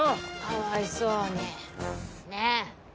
かわいそうにねえ！